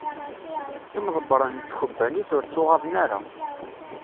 Imḍebren n tkebbanit ur ttuɣaḍen ara.